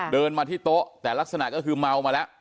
เดินมาที่โต๊ะแต่ลักษณะก็คือเมามาแล้ว